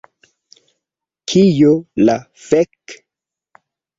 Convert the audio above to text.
Kio la fek'?